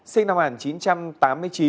sinh năm một nghìn chín trăm tám mươi chín